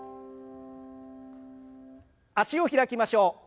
脚を開きましょう。